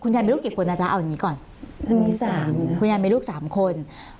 ยายมีลูกกี่คนนะจ๊ะเอาอย่างนี้ก่อนมีสามคุณยายมีลูกสามคน